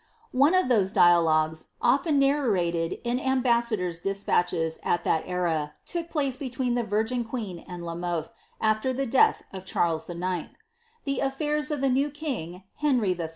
One of thope dialognes, often narrated in ambassadors' despatches at Aai era. took place between the virgin queen and La Mothe, after the desih of Charles IX. The af&irs of the new king, Henry 111.